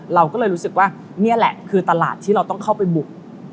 เราก็เลยรู้สึกว่านี่แหละคือตลาดที่เราต้องเข้าไปบุก